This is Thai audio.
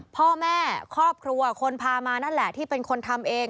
พ่อแม่ครอบครัวคนพามานั่นแหละที่เป็นคนทำเอง